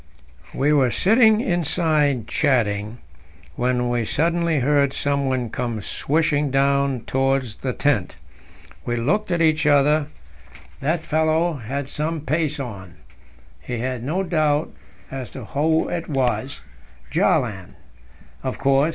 We were sitting inside chatting, when we suddenly heard someone come swishing down towards the tent. We looked at each other; that fellow had some pace on. We had no doubt as to who it was Bjaaland, of course.